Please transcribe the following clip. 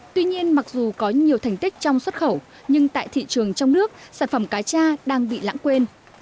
tuy nhiên mặc dù có nhiều thành tích trong xuất khẩu nhưng tại thị trường trong nước sản phẩm cá cha đang bị lãng quên